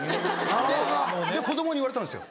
で子供に言われたんですよ